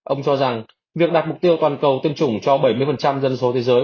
ông cho rằng việc đạt mục tiêu toàn cầu tiêm chủng cho bảy mươi dân số thế giới